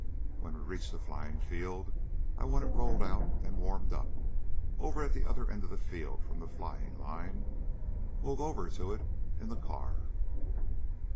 When we reach the flying field I want it rolled out and warmed up, over at the other end of the field from the flying line. We'll go over to it in the car.